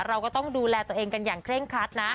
เราก็ต้องดูแลตัวเองกันอย่างเคร่งครัดนะ